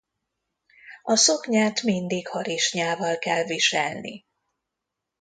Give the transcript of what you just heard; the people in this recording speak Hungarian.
A szoknyát mindig harisnyával kell viselni.